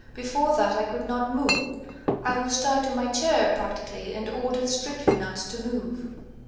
Before that I could not move. I was tied to my chair, practically, and ordered strictly not to move."